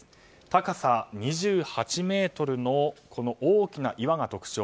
高さ２８ｍの大きな岩が特徴。